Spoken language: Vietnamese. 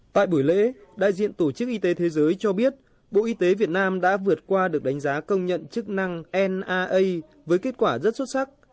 tại buổi lễ đại diện tổ chức y tế thế giới cho biết bộ y tế việt nam đã vượt qua được đánh giá công nhận chức năng naa với kết quả rất xuất sắc